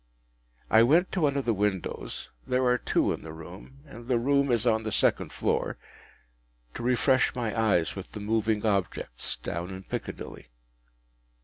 I went to one of the windows (there are two in the room, and the room is on the second floor) to refresh my eyes with the moving objects down in Piccadilly.